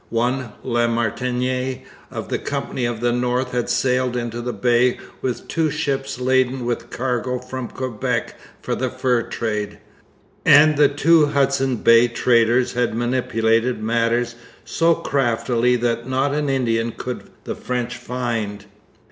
One La Martinière of the Company of the North had sailed into the Bay with two ships laden with cargo from Quebec for the fur trade; and the two Hudson's Bay traders had manipulated matters so craftily that not an Indian could the French find.